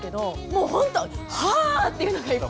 もうほんとハー！っていうのがいっぱいある。